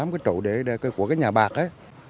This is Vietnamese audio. tám cái trụ của cái nhà bạc ấy